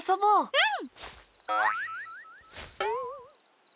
うん！